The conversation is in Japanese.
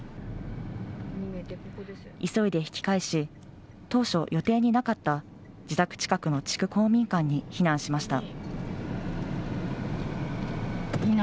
急いで引き返し、当初、予定になかった自宅近くの地区公民館に避難しました。